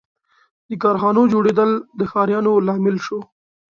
• د کارخانو جوړېدل د ښاریاتو لامل شو.